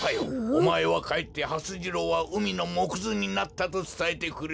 おまえはかえってはす次郎はうみのもくずになったとつたえてくれ。